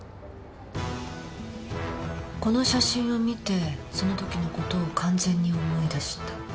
この写真を見てそのときのことを完全に思い出した。